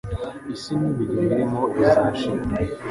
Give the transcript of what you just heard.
isi n'imirimo iyirimo bizashirira.»